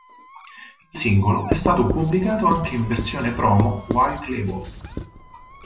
Il singolo è stato pubblicato anche in versione promo white label.